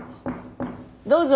どうぞ。